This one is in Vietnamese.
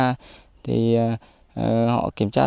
họ kiểm tra thì họ kiểm tra